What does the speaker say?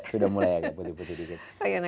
sudah mulai agak putih putih dikit